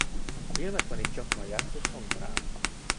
Filmekben is gyakran játszott zongorán.